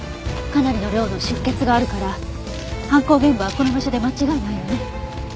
かなりの量の出血があるから犯行現場はこの場所で間違いないわね。